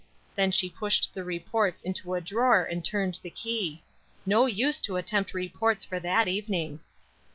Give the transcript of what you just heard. Then she pushed the reports into a drawer and turned the key; no use to attempt reports for that evening.